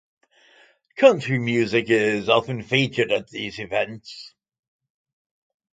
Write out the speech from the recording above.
Country music is often featured at these events.